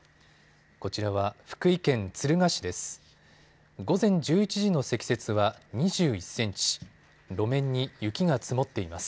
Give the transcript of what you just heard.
こちらは福井県敦賀市です。